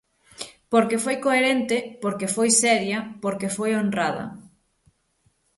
Porque foi coherente, porque foi seria, porque foi honrada.